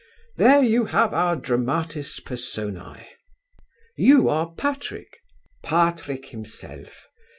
There you have our dramatis personae." "You are Patrick?" "Patrick himself.